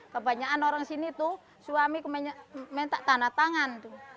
kebanyakan orang sini tuh suami minta tanda tangan tuh